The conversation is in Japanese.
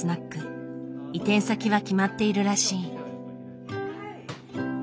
移転先は決まっているらしい。